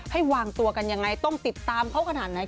วางตัวกันยังไงต้องติดตามเขาขนาดไหน